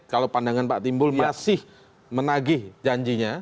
kalau pandangan pak timbul masih menagih janjinya